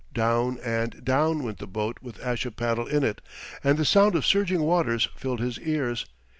Down and down went the boat with Ashipattle in it and the sound of surging waters filled his ears.